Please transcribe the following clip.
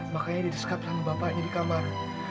makanya disekat sama bapaknya di kamar